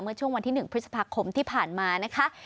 เมื่อช่วงวันที่๑พฤษภาคมที่ผ่านมานะคะ